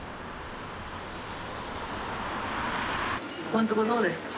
ここんとこどうですか？